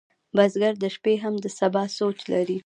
بزګر د شپې هم د سبا سوچ لري